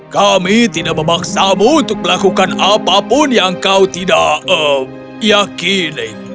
kami tidak memaksamu untuk melakukan apapun yang kau tidak yakini